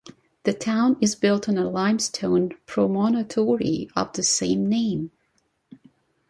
The town is built on a limestone promontory of the same name.